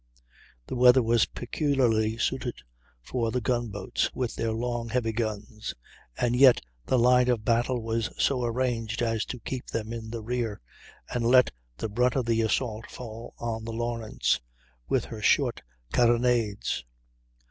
The weather was peculiarly suitable for the gun boats, with their long, heavy guns; and yet the line of battle was so arranged as to keep them in the rear and let the brunt of the assault fall on the Lawrence, with her short carronades.